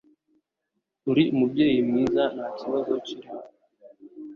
Uri umubyeyi mwiza, ntakibazo kirimo.